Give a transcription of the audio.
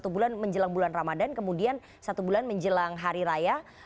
satu bulan menjelang bulan ramadan kemudian satu bulan menjelang hari raya